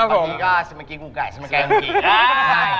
ปันนี้ก็สำนักกินกูไก่สำนักแก่งกิ่ง